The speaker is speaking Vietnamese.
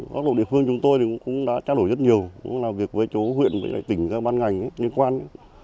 các đội địa phương chúng tôi cũng đã trao đổi rất nhiều cũng làm việc với chỗ huyện tỉnh ban ngành nhân quan